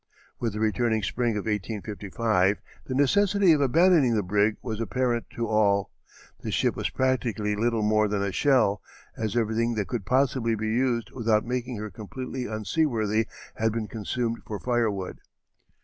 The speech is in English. With the returning spring of 1855 the necessity of abandoning the brig was apparent to all; the ship was practically little more than a shell, as everything that could possibly be used without making her completely unseaworthy had been consumed for fire wood.